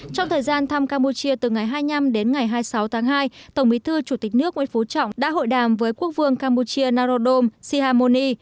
trong thời gian thăm campuchia từ ngày hai mươi năm đến ngày hai mươi sáu tháng hai tổng bí thư chủ tịch nước nguyễn phú trọng đã hội đàm với quốc vương campuchia narodom sihamoni